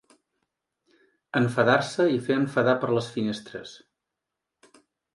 Enfadar-se i fer enfadar per les finestres.